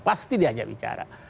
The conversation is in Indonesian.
pasti diajak bicara